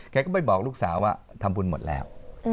ก็ไม่บอกลูกสาวว่าทำบุญหมดแล้ว